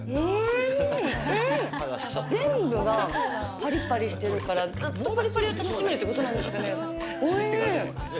全部がぱりぱりしてるから、ずっとぱりぱりが楽しめるってことなんですかね、おいしい。